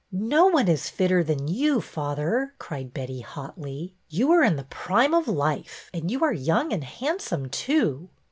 No one is fitter than you, father," cried Betty, hotly. '' You are in the prime of life, and you are young and handsome, too."